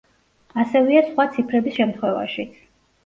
ასევეა სხვა ციფრების შემთხვევაშიც.